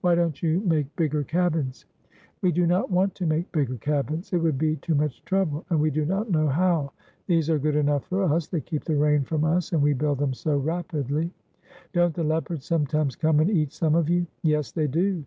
"Why don't you make bigger cabins?" 420 \ THE VILLAGE OF DWARFS "We do not want to make bigger cabins; it would be too much trouble, and we do not know how. These are good enough for us; they keep the rain from us, and we build them so rapidly." "Don't the leopards sometimes come and eat some of you?" "Yes, they do!"